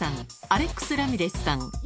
アレックス・ラミレスさん